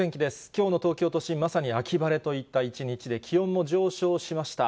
きょうの東京都心、まさに秋晴れといった一日で、気温も上昇しました。